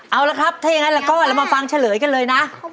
เอาละครับถ้าอย่างนั้นแล้วก็เรามาฟังเฉลยกันเลยนะ